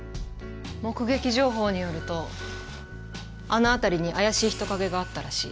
目撃情報によるとあの辺りに怪しい人影があったらしい。